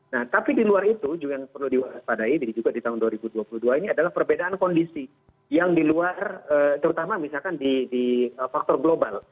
nah tapi di luar itu juga yang perlu diwaspadai juga di tahun dua ribu dua puluh dua ini adalah perbedaan kondisi yang di luar terutama misalkan di faktor global